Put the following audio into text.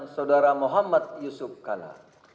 saudara muhammad yusuf kalla